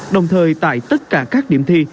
đồng thời tại tất cả các điểm thi